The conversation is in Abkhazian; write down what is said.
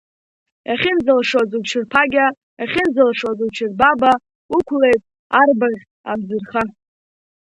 Иахьынӡалшоз уҽырԥагьа, иахьынӡалшоз уҽырбаба, уқәлеит, арбаӷь, амӡырха.